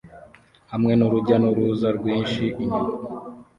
hamwe nurujya n'uruza rwinshi inyuma